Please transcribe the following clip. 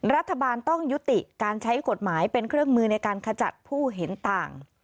รัฐบาลต้องยุติการใช้กฎหมายเป็นเครื่องมือในการขจัดผู้เห็นต่าง